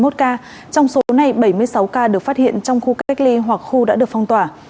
trong số này bảy mươi sáu ca được phát hiện trong khu cách ly hoặc khu đã được phong tỏa